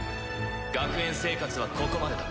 学園生活はここまでだ。